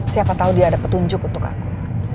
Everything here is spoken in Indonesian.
siapa tahu dia ada petunjuk untuk aku